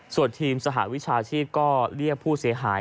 ส่วนทีมสหวิชาชีพก็เรียกผู้เสียหาย